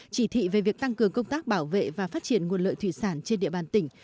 chỉ thị về việc tăng cường công tác bảo vệ và phát triển nguồn lợi thủy sản trên địa bàn tỉnh